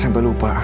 saya sampai lupa